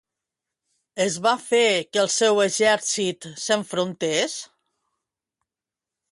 Va fer que el seu exèrcit s'enfrontés?